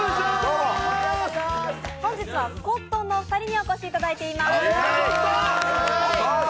本日はコットンのお二人にお越しいただいています。